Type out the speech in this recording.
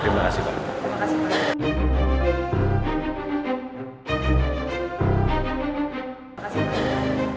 terima kasih pak